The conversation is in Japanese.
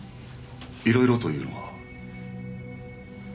いろいろというのは？